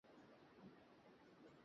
তুমি কি ভেবে বসে আছো আমরা সেক্স করব?